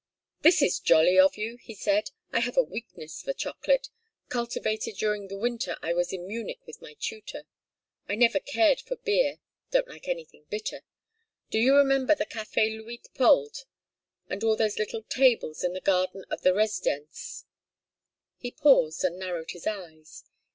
"This is jolly of you," he said. "I have a weakness for chocolate cultivated during the winter I was in Munich with my tutor. I never cared for beer don't like anything bitter. Do you remember the Café Luitpoldt, and all those little tables in the garden of the Residenz " He paused and narrowed his eyes.